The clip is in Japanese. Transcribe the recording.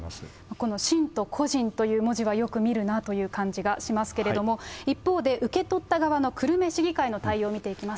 この信徒個人という文字はよく見るなという感じがしますけれども、一方で受け取った側の久留米市議会の対応見ていきます。